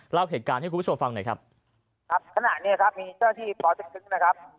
เล่าเหตุการณ์ให้คุณผู้ชมฟังหน่อยครับครับขณะเนี้ยครับมีเจ้าที่ปเต็กตึงนะครับ